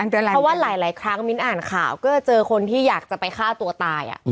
เพราะว่าหลายครั้งมิ้นอ่านข่าวก็เจอคนที่อยากจะไปฆ่าตัวตาย